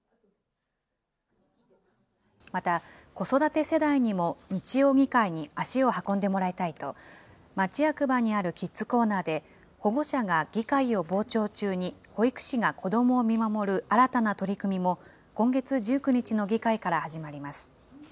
また、子育て世代にも日曜議会に足を運んでもらいたいと、町役場にあるキッズコーナーで、保護者が議会を傍聴中に保育士が子どもを見守る新たな取り組みも、今月１９日の議会から始まります。